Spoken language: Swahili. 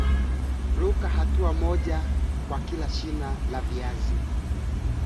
Wanyama walioambukizwa ugonjwa wa ndigana baridi hubaki wakiwa wamebeba vimelea vya magonjwa